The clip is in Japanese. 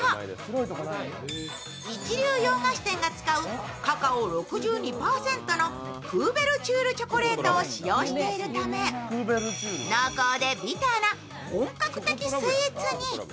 一流洋菓子店が使うカカオ６２％のクーベルチュールチョコレートを使用しているため濃厚でビターな本格的スイーツに。